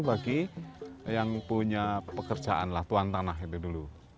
bagi yang punya pekerjaan lah tuan tanah itu dulu